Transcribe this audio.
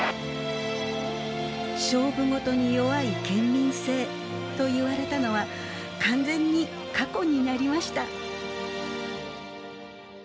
「勝負事に弱い県民性」といわれたのは完全に過去になりました。